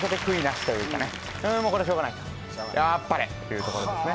もうこれはしょうがないとあっぱれ！というところですね